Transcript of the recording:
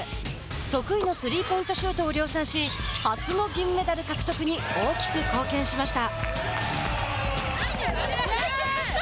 得意のスリーポイントシュートを量産し初の銀メダル獲得に大きく貢献しました。